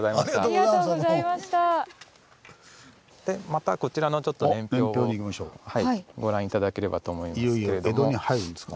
またこちらのちょっと年表をご覧頂ければと思いますけれども。